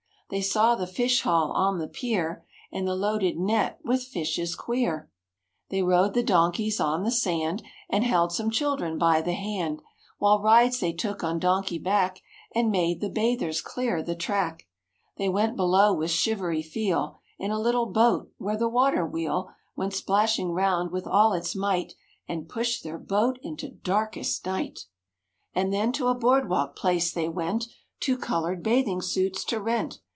They saw the fish haul on the pier And the loaded net with fishes queer They rode the donkeys on the sand And held some children by the hand While rides they took on donkey back And made the bathers clear the track. They went below with shivery feel In a little boat where the water wheel Went splashing round with all its might And pushed their boat into darkest night. 102 MORE ABOUT THE ROOSEVELT BEARS And then to a boardwalk place they went Two colored bathing suits to rent.